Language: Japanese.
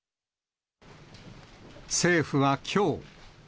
政府はきょう。